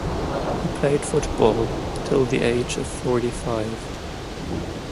He played football till the age of forty-five.